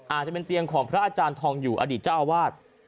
อาจจะเป็นเตียงของพระอาจารย์ทองอยู่อดีตเจ้าอาวาส